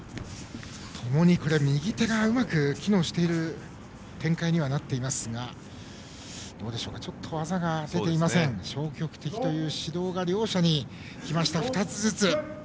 ともに右手がうまく機能している展開にはなっていますがちょっと技が出ていないということで消極的という指導が両者にいきました、２つずつ。